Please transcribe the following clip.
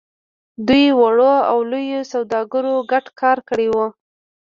دوی وړو او لويو سوداګرو ګډ کار کړی و.